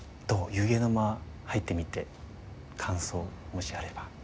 幽玄の間入ってみて感想もしあれば。